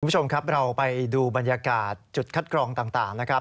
คุณผู้ชมครับเราไปดูบรรยากาศจุดคัดกรองต่างนะครับ